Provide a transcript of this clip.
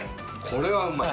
これはうまい！